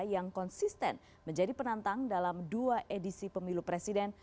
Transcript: yang konsisten menjadi penantang dalam dua edisi pemilu presiden